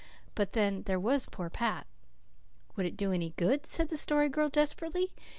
But then, there was poor Pat! "Would it do any good?" said the Story Girl desperately.